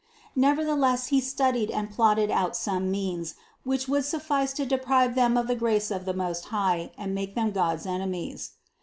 Nevertheless he studied and plotted out some means, which would suffice to deprive them of the grace of the Most High and make them God's enemies.